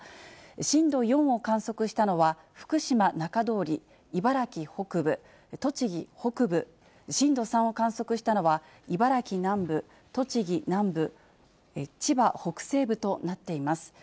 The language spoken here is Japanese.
震度４を観測したのは、福島中通り、茨城北部、栃木北部、震度３を観測したのは茨城南部、栃木南部、千葉北西部となっています。